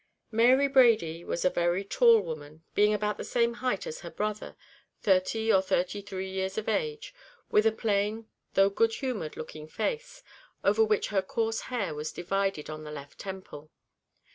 Mary Brady was a very tall woman, being about the same height as her brother, thirty or thirty three years of age, with a plain, though good humoured looking face, over which her coarse hair was divided on the left temple.